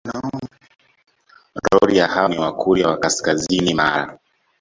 Rorya hao ni Wakurya wa kaskazini Mara